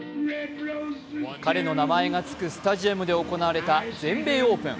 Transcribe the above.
彼の名前がつくスタジアムで行われた全米オープン。